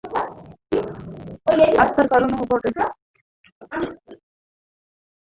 আত্মা কারণও বটে, আবার অভিব্যক্তি বা কার্যও বটে।